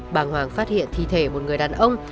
bà hoàng phát hiện thi thể một người đàn ông